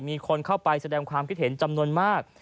มีคนเข้าไปแสดงความคิดเห็นจำนวนมาก